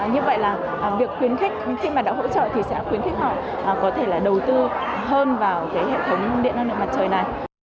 như vậy là việc khuyến khích khi mà đã hỗ trợ thì sẽ khuyến khích họ có thể là đầu tư hơn vào cái hệ thống điện năng lượng mặt trời này